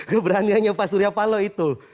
keberaniannya pak surya palo itu